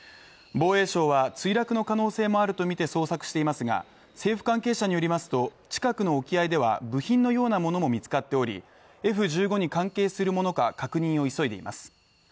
防衛省は墜落の可能性もあるとみて捜索していますが、政府関係者によりますと近くの沖合では部品のようなものも見つかっておりＦ１５に関係するものか確認を急いでいます。